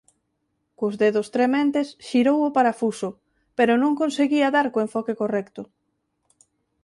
Cos dedos trementes xirou o parafuso, pero non conseguía dar co enfoque correcto.